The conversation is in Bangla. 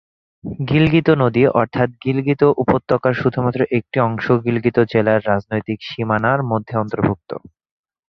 গিলগিত নদী অর্থাৎ গিলগিত উপত্যকার শুধুমাত্র একটি অংশ গিলগিত জেলার রাজনৈতিক সীমানার মধ্যে অন্তর্ভুক্ত।